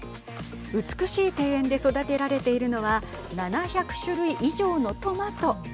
美しい庭園で育てられているのは７００種類以上のトマト。